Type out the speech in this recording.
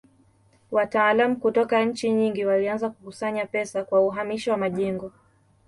Wataalamu kutoka nchi nyingi walianza kukusanya pesa kwa uhamisho wa majengo.